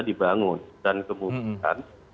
dibangun dan kemudian